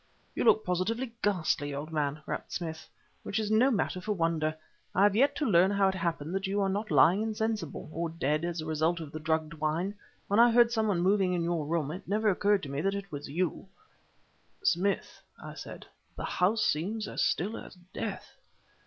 "You look positively ghastly, old man," rapped Smith, "which is no matter for wonder. I have yet to learn how it happened that you are not lying insensible, or dead, as a result of the drugged wine. When I heard some one moving in your room, it never occurred to me that it was you." "Smith," I said "the house seems as still as death."